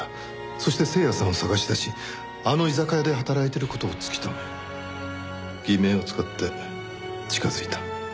そして誠也さんを探し出しあの居酒屋で働いてる事を突き止め偽名を使って近づいた。